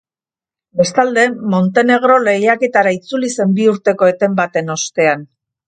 Bestalde, Montenegro lehiaketara itzuli zen bi urteko eten baten ostean.